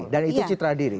dan itu citra diri